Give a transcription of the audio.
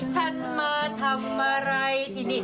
ฉันมาทำอะไรที่นี่